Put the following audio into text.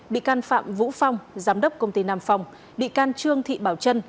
bị can phạm vũ phong giám đốc công ty nam phong bị can trương thị bảo trân